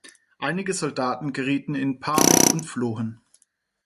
Einige Soldaten gerieten in Panik und flohen.